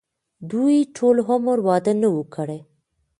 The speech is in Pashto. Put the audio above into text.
دوي ټول عمر وادۀ نۀ وو کړے